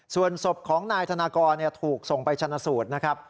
ส่วนศพของนายธนากรถูกส่งไปชนะสูตรนะครับ